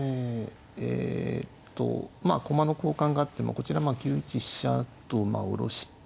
えっとまあ駒の交換があってこちら９一飛車と下ろして。